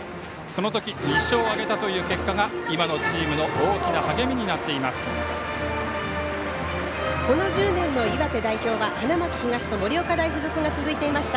その時２勝を挙げたという結果が今のチームの大きな励みになっています。